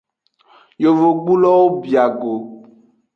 Yovogbulowo bia go.